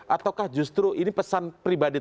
ataukah justru ini pesan pribadi